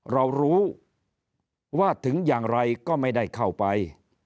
เรารู้ว่าถึงอย่างไรก็ไม่ได้เข้าไป